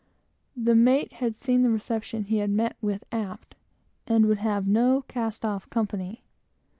The mate had seen the reception he had met with aft, and would have no cast off company.